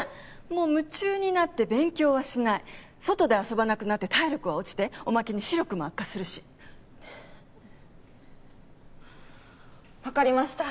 もう夢中になって勉強はしない外で遊ばなくなって体力は落ちておまけに視力も悪化するしわかりました